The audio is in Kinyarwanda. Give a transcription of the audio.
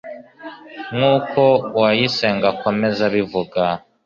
nk'uko Uwayisenga akomeza abivuga.